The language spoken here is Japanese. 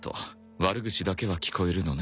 悪口だけは聞こえるのね。